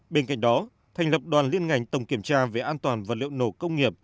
bên cạnh đó thành lập đoàn liên ngành tổng kiểm tra về an toàn vật liệu nổ công nghiệp